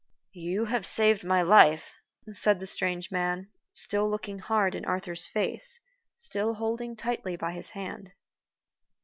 "You have saved my life," said the strange man, still looking hard in Arthur's face, still holding tightly by his hand.